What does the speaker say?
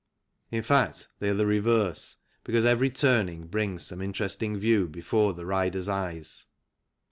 In fact they are the reverse, because every turning brings some interesting view before the rider's eyes.